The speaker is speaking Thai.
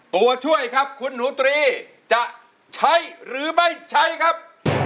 ตัวช่วยครับคุณหนูตรีจะใช้หรือไม่ใช้ครับ